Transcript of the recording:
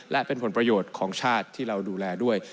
และเป็นผลประโยชน์ของชาติที่เราดูแลด้วย